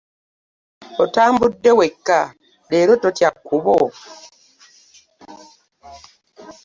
Otambudde wekka leero totya kkubo?